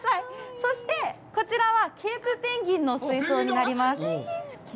そして、こちらはケープペンギンの水槽になります。